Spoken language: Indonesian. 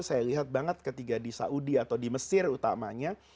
saya lihat banget ketika di saudi atau di mesir utamanya